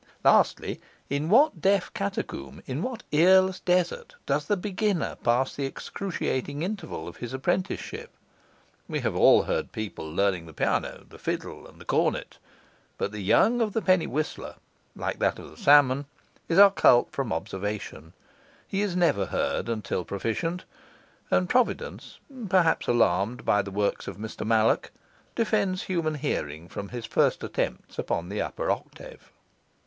Lastly, in what deaf catacomb, in what earless desert, does the beginner pass the excruciating interval of his apprenticeship? We have all heard people learning the piano, the fiddle, and the cornet; but the young of the penny whistler (like that of the salmon) is occult from observation; he is never heard until proficient; and providence (perhaps alarmed by the works of Mr Mallock) defends human hearing from his first attempts upon the upper octave.